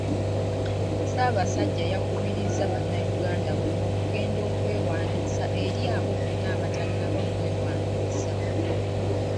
Ssaabasajja yakubiriza bannayuganda bonna okugenda okwewandiisa eri abo bonna abatannaba kwewandiisa.